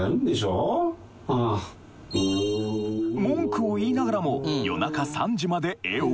文句を言いながらも夜中３時まで絵を描き続け